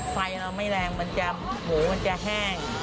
ไฟเราไม่แรงมันจะหมูมันจะแห้ง